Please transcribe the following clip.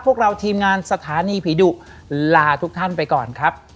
พวกเราทีมงานสถานีผีดุลาทุกท่านไปก่อนครับ